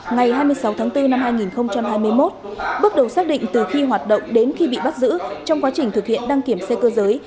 ngày hai mươi sáu tháng bốn năm hai nghìn hai mươi một bước đầu xác định từ khi hoạt động đến khi bị bắt giữ trong quá trình thực hiện đăng kiểm xe cơ giới